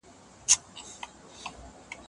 هغومره اوږدیږي